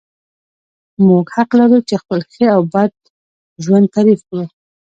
موږ حق لرو چې خپل ښه او بد ژوند تعریف کړو.